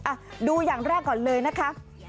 อ่ะดูอย่างแรกก่อนเลยนะคะ